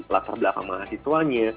latar belakang mahasiswanya